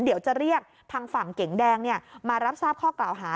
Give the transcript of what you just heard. เดี๋ยวจะเรียกทางฝั่งเก๋งแดงมารับทราบข้อกล่าวหา